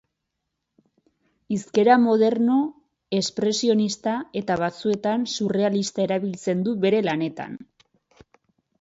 Hizkera moderno, espresionista eta batzuetan surrealista erabiltzen du bere lanetan.